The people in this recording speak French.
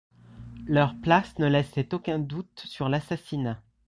Leur place ne laissait aucun doute sur l’assassinat.